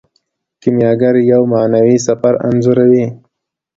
کیمیاګر یو معنوي سفر انځوروي.